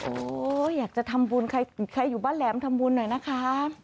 โอ้โหอยากจะทำบุญใครอยู่บ้านแหลมทำบุญหน่อยนะคะ